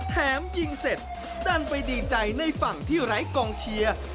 แถมยิงเสร็จดันไปดีใจในฝั่งที่ไร้กองเชียร์